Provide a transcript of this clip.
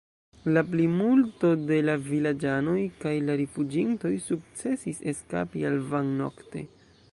La plimulto de la vilaĝanoj kaj la rifuĝintoj sukcesis eskapi al Van nokte.